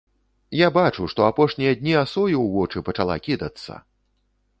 Я бачу, што апошнія дні асою ў вочы пачала кідацца!